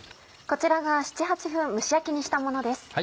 こちらが７８分蒸し焼きにしたものです。